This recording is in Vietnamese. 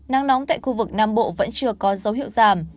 nắng nóng tại khu vực nam bộ vẫn chưa có dấu hiệu giảm